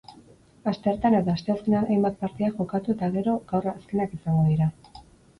Asteartean eta asteazkenean hainbat partida jokatu eta gero gaur azkenak izango dira.